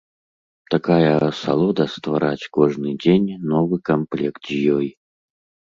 Такая асалода ствараць кожны дзень новы камплект з ёй.